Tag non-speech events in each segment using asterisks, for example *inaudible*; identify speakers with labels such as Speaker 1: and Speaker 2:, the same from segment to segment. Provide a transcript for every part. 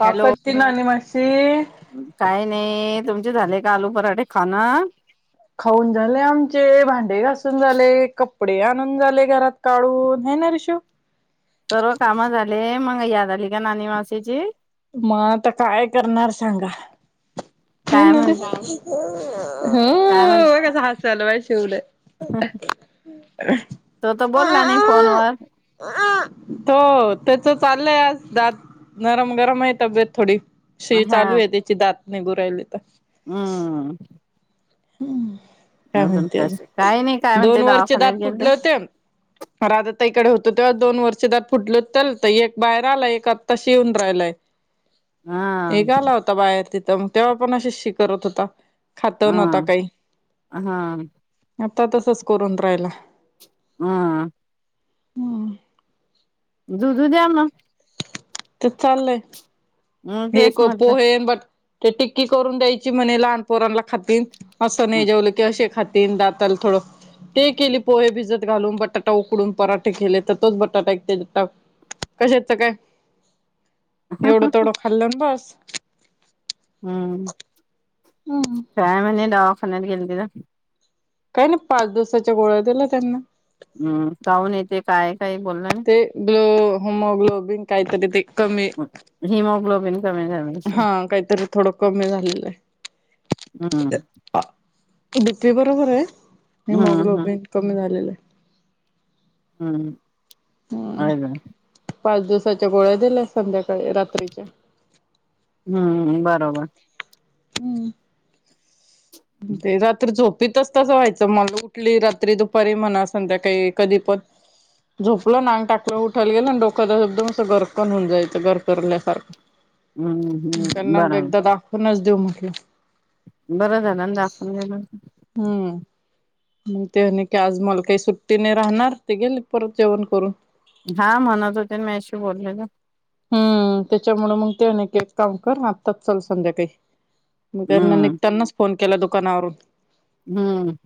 Speaker 1: काप
Speaker 2: हॅलो
Speaker 1: तानी नानी माशी
Speaker 2: काय नाही तुमचे झाले का आलू पराठे खाणं?
Speaker 1: खाऊन झाले. आमचे भांडे घासून झाले. कपडे आणून झाले. घरात काढून हे नाही ना ऋषु.
Speaker 2: सर्व काम झाले मग याद आली का नानी मावशीची
Speaker 1: मग आता काय करणार सांगा. हे
Speaker 2: काय
Speaker 1: हो
Speaker 2: म्हण काय म्हण
Speaker 1: एक कस हासु आल बघा शुउला
Speaker 2: तो तर बोलला नाही फोनवर.
Speaker 1: हो त्याच चाललंय आज दात नरम गरम आहे. तब्येत थोडी शि चालू आहे त्याची दात निघुन राहिली तर
Speaker 2: हं.
Speaker 1: हं. काय म्हणती आजुन?
Speaker 2: काही नाही काय म्हणते
Speaker 1: दोन वरचे दात
Speaker 2: दवाखान्यात गेलते
Speaker 1: फुटले होते, पर आजच आता इकडे होतो तेव्हा दोन वरचे दात फुटले होते. एक बाहेर आला आणि एक आत्ताशी येऊन राहिलाय.
Speaker 2: हा
Speaker 1: एक आला होता बाहेर तिथं मग तेव्हा पण असच शी करत होता. खात ही
Speaker 2: हा
Speaker 1: नव्हता. काही
Speaker 2: हा.
Speaker 1: आता तसंच करून राहीला.
Speaker 2: हा. दुधू द्या ना.
Speaker 1: ते चाललंय
Speaker 2: हम्
Speaker 1: हे
Speaker 2: तेच म्हटलं
Speaker 1: पोहे अन बट ते टिक्की करून द्यायची म्हणे लहान पोरांला खातीन. असं नाही जेवलं की असे खाती तीन दाताला थोडं ते केली पोहे भिजत घालून, बटाटा उकडून पराठे केले. तर तोच बटाटा एक तेज्यात टाक कशाच काय एवढं तेवढं खाल्लं ना बस.
Speaker 2: हं.
Speaker 1: हम्म
Speaker 2: काय म्हणले दवाखान्यात गेलती तर?
Speaker 1: काही नाही पाच दिवसाच्या गोळ्या दिल्या त्यांनी.
Speaker 2: हं. जाऊन येते काय? काही बोलला
Speaker 1: ते ग्लो होमोग्लोबिन काहीतरी ते कमी
Speaker 2: नाही हिमोग्लोबिन कमी झालं असेल.
Speaker 1: हा काहीतरी थोडं कमी झालेलं आहे.
Speaker 2: हं.
Speaker 1: ते बरोबर आहे. हिमोग्लोबिन कमी झालेल हाय.
Speaker 2: हम्म.
Speaker 1: हम्म
Speaker 2: होय का?
Speaker 1: पाच दिवसाच्या गोळ्या दिल्या संध्याकाळी रात्रीच्या.
Speaker 2: हम्म बरोबर.
Speaker 1: हम्म. ते रात्री झोप ते तसं तसं व्हायचं मला उठली रात्री, दुपारी म्हणा संध्याकाळी कधीपण झोपलं ना अंग टाकलं उठायला गेलं ना डोकं एकदम असं गरकण होऊन जायचं गरगरल्या सारखं.
Speaker 2: हम्म हम्म
Speaker 1: त्यांना
Speaker 2: बरोबर
Speaker 1: एकदा दाखवूनच देऊ म्हटलं.
Speaker 2: बरं झालं ना दाखवून दिलं.
Speaker 1: हम्म मग ते आणि काय आज मला काही सुट्टी नाही राहणार ते गेले परत जेवण करून.
Speaker 2: हा म्हणत होते ना माझ्याशी बोलले तर
Speaker 1: हम्म, त्याच्यामुळं मग ते म्हणे एक काम कर आत्ताच चल संध्याकाळी. मग त्यांना
Speaker 2: हम्म
Speaker 1: निघतानाच फोन केला दुकानावरून.
Speaker 2: हम्म.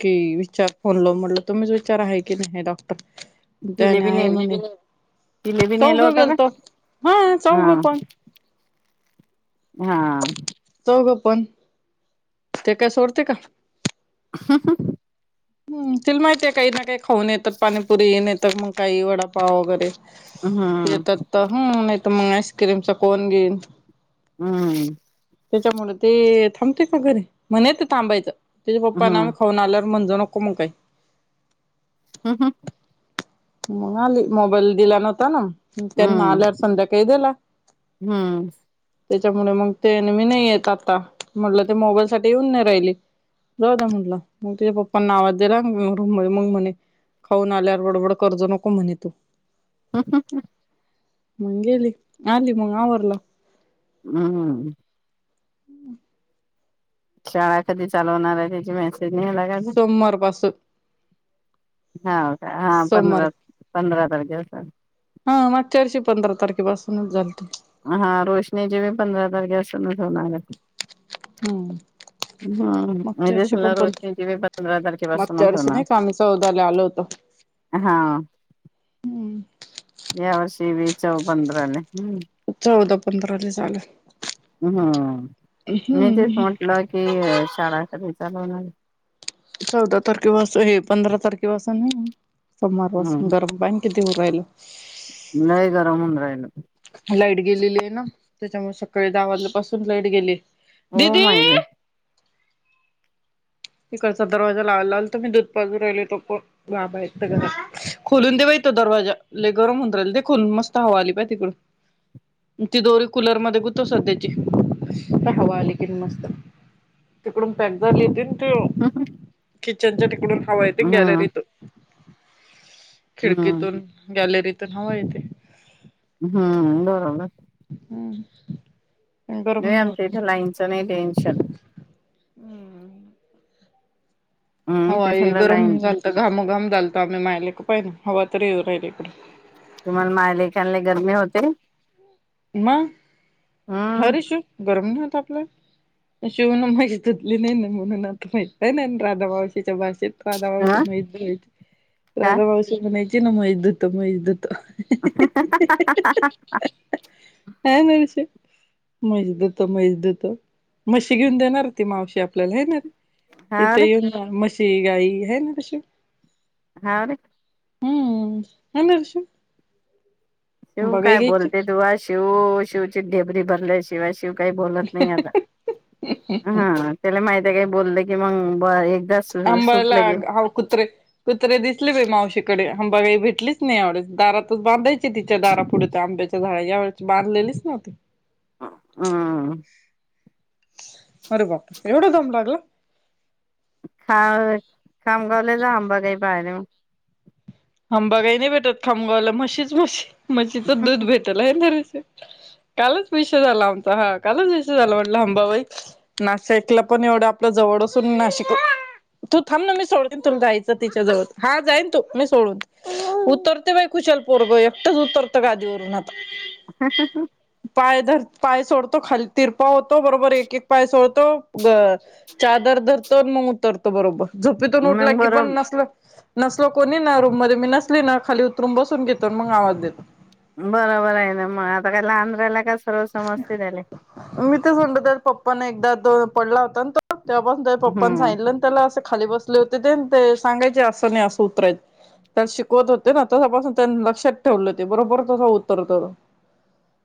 Speaker 1: कि विचार फोन लाऊन म्हंटल तुम्हीच विचारा आहे की नाही डॉक् त्याने
Speaker 2: जिलेबी
Speaker 1: आहे
Speaker 2: नेल
Speaker 1: म्हणे,
Speaker 2: जिलेबी
Speaker 1: चौघ
Speaker 2: नेलं होतं का
Speaker 1: गेलतो. हा चौघ
Speaker 2: हा
Speaker 1: पण.
Speaker 2: हा
Speaker 1: चौघ पण ते काय सोडते का.
Speaker 2: *unintelligible*
Speaker 1: हम्म, तिला माहितीये काही ना काही खाऊन येतात. पाणीपुरी नाईतर मग काही वडापाव वगैरे.
Speaker 2: हम्म
Speaker 1: येतात, तर हम नाही तर मग आईस्क्रीमचा कोण बिन
Speaker 2: हम्म.
Speaker 1: त्याच्यामुळं ते थांबते का घरी, म्हने ते थांबायचं तेचे पप्पा आम्ही
Speaker 2: हम्म
Speaker 1: खाऊन आलं म्हणज नको मग काय.
Speaker 2: *unintelligible*
Speaker 1: मग आली मोबाईल दिला नव्हता ना. त्यांना आल्यावर संध्याकाळी दिला.
Speaker 2: हम्म
Speaker 1: त्याच्यामुळे मग ते न मी नाही येत आता, म्हटलं ते मोबाईलसाठी येऊन नाही राहिली. जाऊदे म्हटलं मग तिच्या पप्पांना आवाज दिला रूमध्ये मग म्हणे खाऊन आल्यावर बडबड कर्ज नको म्हणे तू
Speaker 2: हम ह ह
Speaker 1: मग गेली आली मग आवरल.
Speaker 2: हम्म शाळा कधी चालू होणार आहे त्याची मा
Speaker 1: सोमवार पासून.
Speaker 2: हा का हा
Speaker 1: सोमवार
Speaker 2: पंधरा पंधरा तारखे पासून.
Speaker 1: हा मागच्यावर्षी पंधरा तारखेपासूनच झालती.
Speaker 2: हा रोशनीची बी पंधरा तारखे असूनच होणारय.
Speaker 1: हम्म
Speaker 2: हम्म
Speaker 1: मागच्या
Speaker 2: मजे
Speaker 1: वर्षी पण
Speaker 2: झाला
Speaker 1: पंधरा
Speaker 2: रोशनीचीबी पंधरा तारखे पासन
Speaker 1: मागच्या वर्षी
Speaker 2: होणार.
Speaker 1: नाही का आम्ही चौदाला
Speaker 2: हा
Speaker 1: हम्म
Speaker 2: यावर्षी बी *unintelligible* हम्
Speaker 1: चौदा, पंधरालय झालंय.
Speaker 2: हम्म मी तेच म्हटलं की शाळा कधी चालू होणारय.
Speaker 1: चौदा तारखेपसून हे पंधरा तारखेपसून आहे सोमवार पासून *unintelligible* किती होऊ राहिलं.
Speaker 2: नाही गरम होऊन राहिलं.
Speaker 1: लाईट गेलेली आहे ना त्याच्यामुळे सकाळी दहा वाजल्या पासून लाईट गेलीय
Speaker 2: हो
Speaker 1: दीदी.
Speaker 2: माहिती
Speaker 1: तिकडचा. दरवाजा लावायला आलतो मी दूधपाजू राहिले तो पण बाबा ये घर खोलून दे व्हय. दरवाजा लय गरम होऊन राहिल दे खोलून मस्त हवा आली पाय तिकडून ती दोरी कुलर मध्ये गुत सध्याची हवा आली की मस्त तिकडून पॅक झाली काय?
Speaker 2: हम ह
Speaker 1: किचनच्या तिकडून हवा येत गॅलरीतून.
Speaker 2: हम्म
Speaker 1: खिडकीतून गॅलरीतून हवा येते.
Speaker 2: हम्म बरोबरं
Speaker 1: हम्
Speaker 2: नाही आमच्या इथं लाईनचं नाही टेन्शन हम्म
Speaker 1: हवा
Speaker 2: ते
Speaker 1: हे
Speaker 2: सुलं
Speaker 1: गरम
Speaker 2: लाईन
Speaker 1: झालत घाम- घाम झालत आम्ही मायलेक पाहि ना हवा तरी ये राहिल इकड
Speaker 2: तुम्हाला माय लेकानले गरमी होते
Speaker 1: म
Speaker 2: हम्म.
Speaker 1: हरशू गरम ना - आपला शिव ना माहितली नाही ना म्हणून आता माहि नाही राधा मावशीच्या भाषेत राधा
Speaker 2: अ
Speaker 1: मावशी म्हैस धुवायची.
Speaker 2: काय
Speaker 1: राधा मावशी म्हणायची ना म्हैस धुतो म्हैस धुतो
Speaker 2: हा हा, हा, हा हा, हा, हा, हा
Speaker 1: *unintelligible* म्हैस देतो, म्हैस देतो, मशी घेऊन देणार ती मावशी आपल्याला? हायणारे
Speaker 2: हाव
Speaker 1: इथ
Speaker 2: रे
Speaker 1: ये म्हशी, गाई, हाय ना इशू
Speaker 2: हा रे
Speaker 1: हम्म, हाय ना रिशू
Speaker 2: शिव काय बोलते तुवा शिव शिवची ढेबरी भरलय शिवा शि काही बोलत नाही आता हा त्याला माहिती का बोल की मग सुटलं की
Speaker 1: आम्हाला कुत्रे -कुत्रे दिसले ब मावशीकडे. आंबा बाई काही भेटलीच नाही यावळेस दारातच बांधायची तिच्या दारा पुढे त्या आंब्याच्या झाडा यावेची बांधलेलीच ना ओके
Speaker 2: हम्म
Speaker 1: अरे बाप एवढं दम लागला.
Speaker 2: ख खामगावलजा आंबा काही पाहिर मग
Speaker 1: आंबा काही नाही भेटत खामगावलं म्हशीच म्हशी म्हशीच दूध भेटल आहे ना रे.
Speaker 2: ह
Speaker 1: कालच विषय झाला आमचा हा कालच विषय झाला म्हटलं हंबाबाई नाश ऐकलं पण एवढं आप जवळ डून नािक तू थांब ना मी सोडतेन तुला जायचं तिच्या जवळ हा जाईन तू मी सोडून उतरते बाई कुशाल पोरग एकटंच उतरतं गादीवरून आता
Speaker 2: ह ह ह
Speaker 1: पायर पाय सोडतो खाली तिरपा होतो बरोबर एक एक पाय सोडतो ग चादर धरतो मग उतरतो बरोबर झोपतून उठला
Speaker 2: मग
Speaker 1: की
Speaker 2: बरो
Speaker 1: पण नसल नसल कोणी नार मध्ये मी नसली ना खाली उतरून बसून घेतो मग आवाज देतो
Speaker 2: बरोबर आहे ना मग आता काय लहान राहायला कस
Speaker 1: मी तेच म्हत तर पप्पा न एकदा दोन पडला होता तो तेव्हापास त्या पप्पा
Speaker 2: हम्म.
Speaker 1: सांगितलं त्याला असं खाली बसले होते ते ते सांगायचे असं नाही असं उतरायचं त्या शिकवत होते ना तसापासून त्यांनी लक्षात ठेवले होते बरोबर तसं उत्तरत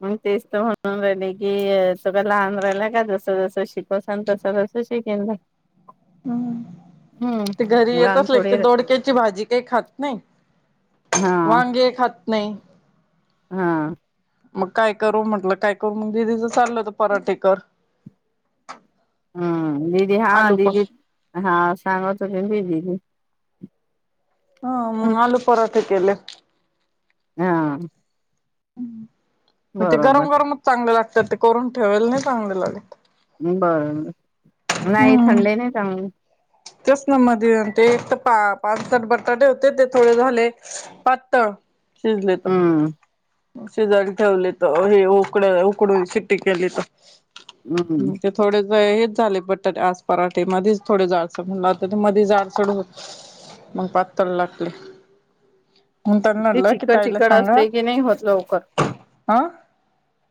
Speaker 2: मग तेच तर म्हणून राहिली की तुग लहान राहिलं का जस जस शिकोसाल तस जस तस का
Speaker 1: हम्म ते घरी येत
Speaker 2: लहान
Speaker 1: असले
Speaker 2: थोडी
Speaker 1: ते दोडक्याची भाजी काही खात नाही
Speaker 2: हा
Speaker 1: वांगे खात नाही
Speaker 2: हा
Speaker 1: मग काय करू म्हटलं काय करू मग दिदीचं चाललंत पराठीेकर
Speaker 2: हम्म दीदी हा
Speaker 1: प
Speaker 2: ददी हा सांगत कमती दीदी
Speaker 1: हम मग आलू पराठे केले
Speaker 2: हा
Speaker 1: मग ते
Speaker 2: बरोबर
Speaker 1: गरम गरमच चांगले लागतात ते करून ठेवाल नाही चांगले लागल
Speaker 2: बरं नाही
Speaker 1: हम्म
Speaker 2: थंडे नाही चांग
Speaker 1: तेच ना मध्ये ते तर पा पाचसट बटाटे होते ते थोडे झाले पातळ शिजले त
Speaker 2: हम्म
Speaker 1: शेजारी ठेवली त हे उकड उकडून शिट्टी केली त
Speaker 2: हम्म
Speaker 1: ते थोडे हेच झाले बटाट आज पराठे मध्येच थोडे झा अस म्हणलं होता मध्ये जाडसड होत मग पातर लागले म्हणून त्यांना
Speaker 2: इे
Speaker 1: म्हटलं की
Speaker 2: चखड
Speaker 1: ताईला
Speaker 2: चिकड
Speaker 1: सांगा
Speaker 2: असले की नाही होत लवकर
Speaker 1: हा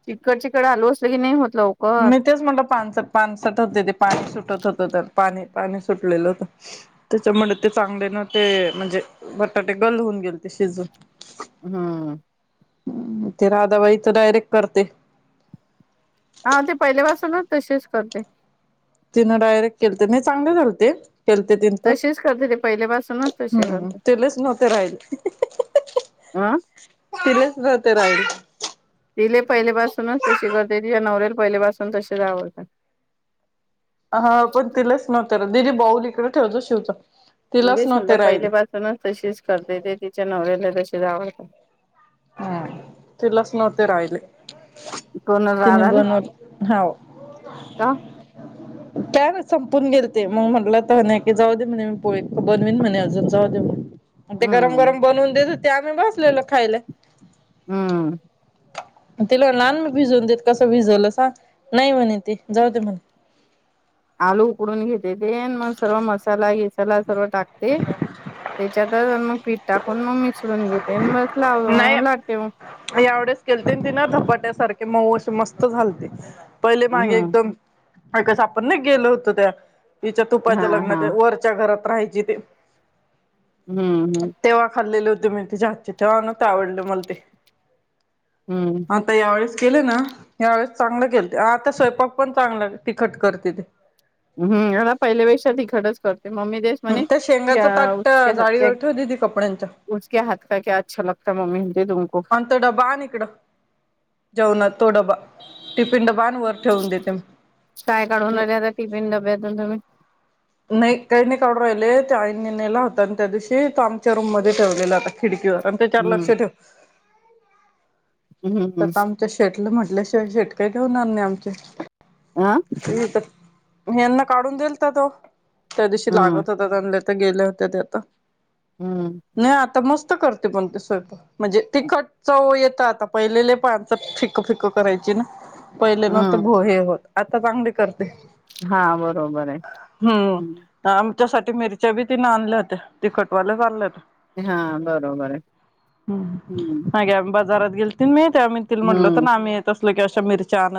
Speaker 2: चिकड चिकड आलू असलं की नाही होत लवकर
Speaker 1: मी तेच म्हटलं पानस पानसट होते ते पान सुटत होत तर पा पाणी सुटलेलं होत त्याच्यामुळे ते चांगले नव्हते म्हणजे बटाटे गल गेल ते शिजून
Speaker 2: हम्म
Speaker 1: म ते राधाबाई तर डायरेक्ट करते
Speaker 2: हा ते पहिल्यापासूनच तशीच करते
Speaker 1: तिनं डायरेक्ट केलत नाही चांगले झाल ते खलते तीन तर
Speaker 2: तसेच करते ते पहिल्यापासूनच तसे
Speaker 1: हम्म
Speaker 2: करते
Speaker 1: तेलेच नव्हते राहिल
Speaker 2: अ
Speaker 1: तिलेच राते राऊल
Speaker 2: लिले पहिले पाासूनच तशी करत त नवर्याला पहिले पाासून तसे आवडतात
Speaker 1: हा पण तिलाच नव्हत र दिदी बाऊल इकडें ठेवच शिवच
Speaker 2: मे समलं पहिलेपासूनच तशीच करते ते तिच्या नवऱ्याला तशीच आवडतात
Speaker 1: हम् तलाच नवते राहिले
Speaker 2: कोण
Speaker 1: तनब
Speaker 2: राधाले
Speaker 1: न हव
Speaker 2: का
Speaker 1: काय ना संपून गेल ते मग म्हटलं तर नाही की जाऊ दे म्हणे मी पोळी बनवीन म्हणे अजून जाऊ दे म्हणे ते गरम
Speaker 2: हम्म
Speaker 1: गरम बनवून देत हो ते आम्ही बसलेलो खायला
Speaker 2: हम्म
Speaker 1: तिला नान म भिजवून देत कसं भिजवलं स नाही म्हणे ते जाऊते म्हणा
Speaker 2: आलू उकडून घेते ते मग सर्व मसाला घसाला सर्व टाकते त्याच्यात टाकून मग मिचडून घेते आणि बस लाव लाटते...
Speaker 1: एवढेच केलेते ती ना धपाट्यासारखे मऊशी मस्त झालते.. पहिले मागे
Speaker 2: हम्म
Speaker 1: एकदम कस आपण ना गेल होत त्या तिच्या
Speaker 2: हा
Speaker 1: तुपाच्या
Speaker 2: हा
Speaker 1: लग्नाच्या वरच्या घरात राहायची ते...
Speaker 2: हम्म हम्म
Speaker 1: तेव्हा खाल्लेले होते मी तिच्या आातचे तेव्हा न्हवत आवडल मला ते आता यावेळेस केले ना यावेेळेस चांगलं केलं ते आता स्वयपाक पण चांगलं तिखट करते ते...
Speaker 2: ते मम्मी देस
Speaker 1: त्या
Speaker 2: म्हणेक
Speaker 1: शेंगाच ताट जाळीवर
Speaker 2: हातक..
Speaker 1: ठेवते ती कपड्यांच्या
Speaker 2: उक हात का क्या अच्छा लगता मम्मी म्ही तुमको
Speaker 1: आणि तो डबा आण इकडं जेवणात तो डबा टिफिन डबा.. आण वर ठेवून देते मी
Speaker 2: काय काढून राले आता टिफिन डब्यातून तुम्ही...
Speaker 1: नाही काही नाही काढू राहिले ते आईने नेला होता आणि त्या दिवशी तो आमच्या रूम मध्ये ठेवलेला आता खिडकीवर त्याच्या वर का चार लक्ष
Speaker 2: हम्म
Speaker 1: दे तर
Speaker 2: हम्म
Speaker 1: आ आमच्या शेटल म्हटल्या शिवाय शेट काय घेऊणार नाही आमचे
Speaker 2: हा
Speaker 1: हे तर हेना काढून दिलता तर तो त्या दिवशी
Speaker 2: हम्म
Speaker 1: लागत होता त्यां तर गेले होते ते आता
Speaker 2: हम्म
Speaker 1: नाही आता मस्त करते पण ते स्वय म्हणजे तिकट च येत आता पहिलेले पाणचं फिक फिकं करायची ना पहिले ना ते
Speaker 2: हम्म
Speaker 1: भोहे होत आता चांगली करते
Speaker 2: हा बरोबर आहे ह...
Speaker 1: त्याच्यासाठी मिरच्या बी तिने आणल्या होत्या तिखट वालाचल्या होत..
Speaker 2: हा बरोबर आहे
Speaker 1: हम्म नाही्या बाजारात.. ती माहिती आहे तीला म्हटल होत
Speaker 2: हम्म
Speaker 1: ना आम्ही तसलं असल अशा मिर्च्या आण.